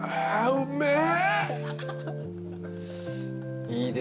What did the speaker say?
うめえ！